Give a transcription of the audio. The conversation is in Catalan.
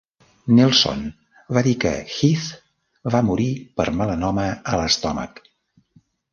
Nelson va dir que Heath va morir per melanoma a l'estómac.